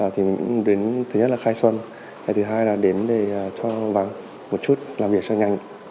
thì mình đến thứ nhất là khai xuân thứ hai là đến để cho bán một chút làm việc cho nhanh